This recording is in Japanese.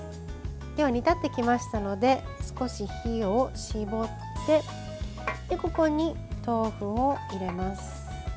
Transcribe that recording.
では、煮立ってきましたので少し火を絞ってここに豆腐を入れます。